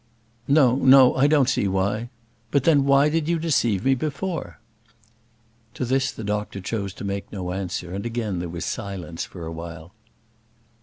"No, no; I don't see why. But then why did you deceive me before?" To this the doctor chose to make no answer, and again there was silence for a while.